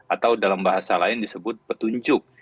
atau dalam bahasa lain disebut petunjuk